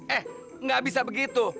eh gak bisa begitu